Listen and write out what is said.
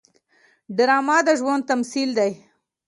ډرامه د ژوند تمثیل دی